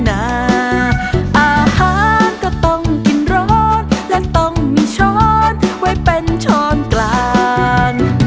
อาหารก็ต้องกินร้อนและต้องมีช้อนไว้เป็นช้อนกลาง